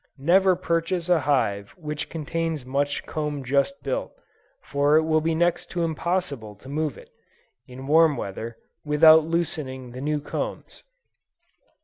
Never purchase a hive which contains much comb just built; for it will be next to impossible to move it, in warm weather, without loosening the new combs.